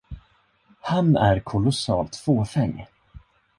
Han är kolossalt fåfäng.